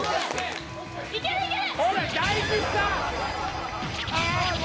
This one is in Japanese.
いけるいける！